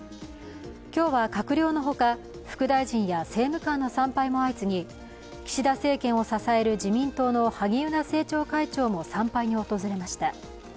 今日は閣僚の他、副大臣や政務官の参拝も相次ぎ岸田政権を支える自民党の萩生田政調会長も参拝に訪れました。